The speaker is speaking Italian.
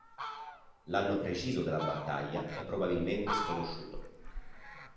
L'anno preciso della battaglia è probabilmente sconosciuto.